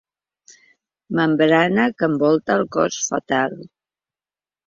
Membrana que envolta el cos fetal.